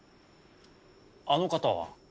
あの方は？